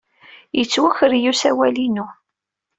Yettwaker-iyi usawal-inu.